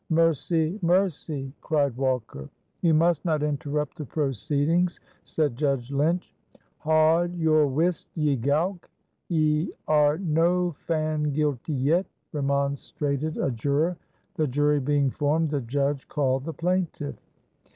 "Mercy! mercy!" cried Walker. "You must not interrupt the proceedings," said Judge Lynch. "Haud your whist, ye gowk. Ye are no fand guilty yet," remonstrated a juror. The jury being formed, the judge called the plaintiff.